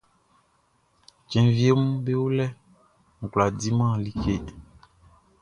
Cɛn wieʼm be o lɛʼn, n kwlá diman like.